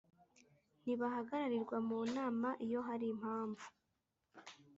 ntibahagararirwa mu nama Iyo hari impamvu